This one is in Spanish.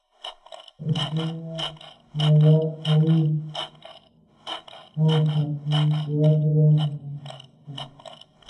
Se lo encuentra en Kenia, Malawi, Mozambique, Sudáfrica, Swazilandia, Tanzania, y Zimbabue.